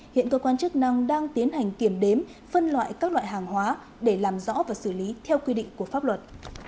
hiện cơ quan chức năng đang tiến hành kiểm đếm phân loại các loại hàng hóa để làm rõ và xử lý theo quy định của pháp luật